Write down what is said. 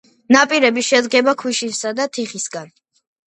ნაპირები შედგება ქვიშისა და თიხისგან.